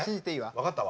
分かったわ。